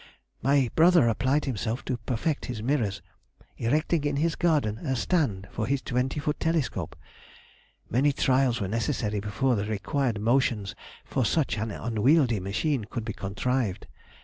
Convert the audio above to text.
My brother applied himself to perfect his mirrors, erecting in his garden a stand for his twenty foot telescope; many trials were necessary before the required motions for such an unwieldy machine could be contrived.